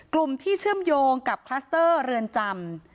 กลุ่มที่เชื่อมโยงกับคลัสเตอร์เรือนจำ